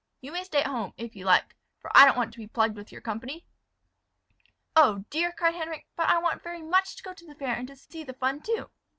You may stay at home, if you like for I don't want to be plagued with your company." "Oh, dear!" cried Henric, "but I want very much to go to the fair, and see the fun too."